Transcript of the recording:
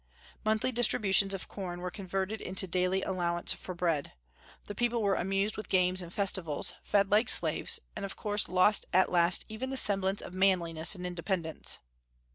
Monthly distributions of corn were converted into daily allowance for bread. The people were amused with games and festivals, fed like slaves, and of course lost at last even the semblance of manliness and independence.